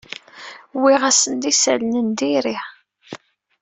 Wwiɣ-asen-d isalan n diri.